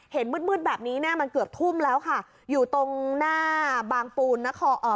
มืดมืดแบบนี้เนี่ยมันเกือบทุ่มแล้วค่ะอยู่ตรงหน้าบางปูนครเอ่อ